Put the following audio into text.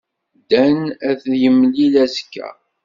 Dan ad t-yemlil azekka.